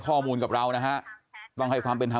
ใช่ค่ะถ่ายรูปส่งให้พี่ดูไหม